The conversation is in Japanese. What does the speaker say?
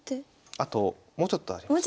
あともうちょっとあります。